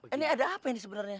ini ada apa ini sebenarnya